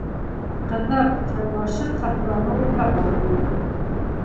Ҡыҙҙар, шаулашып, Сафураны уртаға алдылар.